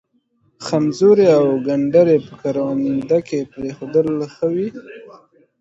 خمزوري او گنډري په کرونده کې پرېښودل ښه وي.